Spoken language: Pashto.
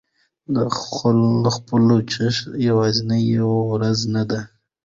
د خپلواکۍ جشن يوازې يوه ورځ نه ده.